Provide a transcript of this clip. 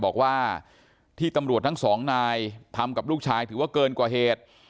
บอกว่าที่ตำรวจทั้งสองนายทำกับลูกชายถือว่าเกินกว่าเหตุ